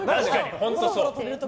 本当そう。